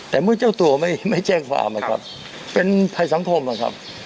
แต่มื้อเจ้าตัวไม่แจ้งความเป็นภัยสังคมเหรอครับ